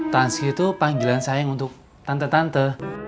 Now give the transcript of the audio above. tanski itu panggilan sayang untuk tante tante